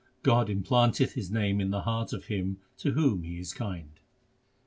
God implanteth His name in the heart of him to whom He is kind.